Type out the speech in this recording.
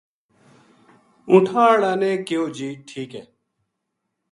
اونٹھاں ہاڑا نے کہیو جی ٹھیک ہے